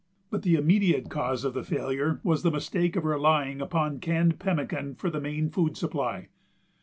But the immediate cause of the failure was the mistake of relying upon canned pemmican for the main food supply.